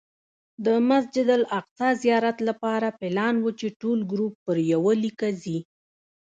د مسجد الاقصی زیارت لپاره پلان و چې ټول ګروپ پر یوه لیکه ځي.